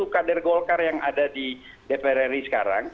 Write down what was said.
sembilan puluh satu kadir golkar yang ada di dpr ri sekarang